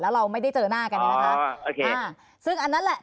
แล้วเราไม่ได้เจอหน้ากันเนี่ยนะคะโอเคอ่าซึ่งอันนั้นแหละ